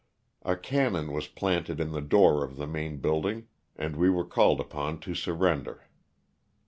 A cannon was planted in the door of the main building and we were called upon to sur render.